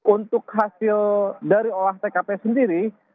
untuk hasil dari olah tkp sendiri